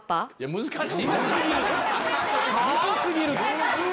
むず過ぎる。